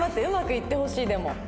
うまくいってほしいでも。